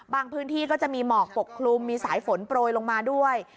พื้นที่ก็จะมีหมอกปกคลุมมีสายฝนโปรยลงมาด้วย